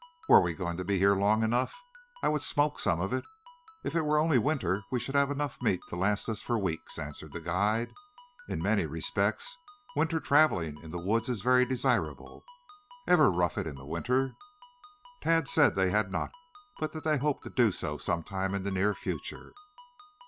Were we going to be here long enough I would smoke some of it. If it were only winter we should have enough meat to last us for weeks," answered the guide. "In many respects winter traveling in the woods is very desirable. Ever rough it in the winter?" Tad said that they had not, but that they hoped to do so at some time in the near future.